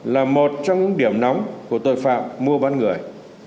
là một trong những điểm nóng của tội phạm mua bán người